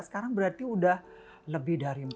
sekarang berarti udah lebih dari empat puluh